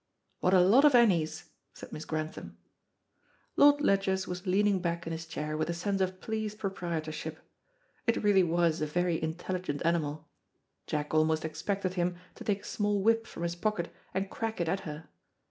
"What a lot of anys," said Miss Grantham. Lord Ledgers was leaning back in his chair with a sense of pleased proprietorship. It really was a very intelligent animal. Jack almost expected him to take a small whip from his pocket and crack it at her.